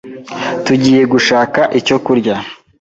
Tugiye gushaka icyo kurya.